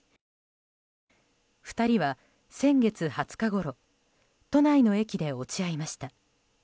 ２人は先月２０日ごろ都内の駅で落ち合いました。